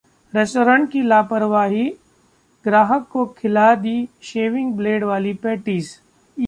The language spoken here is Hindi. रेस्टोरेंट की लापरवाही, ग्राहक को खिला दी शेविंग ब्लेड वाली पेटीज